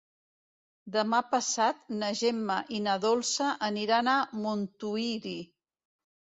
Demà passat na Gemma i na Dolça aniran a Montuïri.